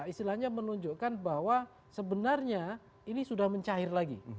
istilahnya menunjukkan bahwa sebenarnya ini sudah mencair lagi